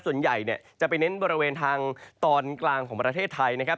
ส่วนใหญ่เนี่ยจะไปเน้นบริเวณทางตอนกลางของประเทศไทยนะครับ